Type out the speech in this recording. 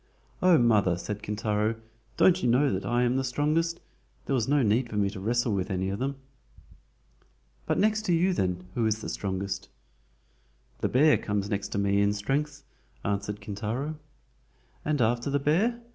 "Oh, mother," said Kintaro, "don't you know that I am the strongest? There was no need for me to wrestle with any of them." "But next to you then, who is the strongest?" "The bear comes next to me in strength," answered Kintaro. "And after the bear?"